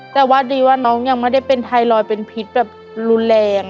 แต่ว่าดีว่าน้องยังไม่ได้เป็นไทรอยด์เป็นพิษแบบรุนแรง